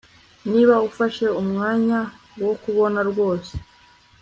niba ufashe umwanya wo kubona rwose